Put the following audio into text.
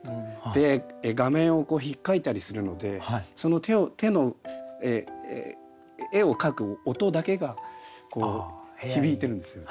で画面をひっかいたりするのでその手の絵を描く音だけがこう響いてるんですよ。